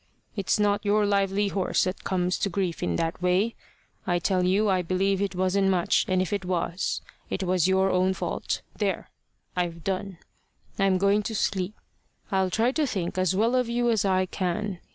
It's not your lively horse that comes to grief in that way. I tell you I believe it wasn't much, and if it was, it was your own fault. There! I've done. I'm going to sleep. I'll try to think as well of you as I can.